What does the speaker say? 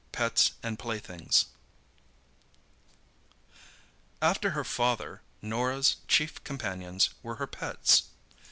PETS AND PLAYTHINGS After her father, Norah's chief companions were her pets.